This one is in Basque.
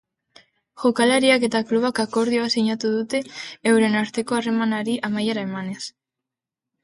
Jokalariak eta klubak akordioa sinatu dute euren arteko harremanari amaiera emanez.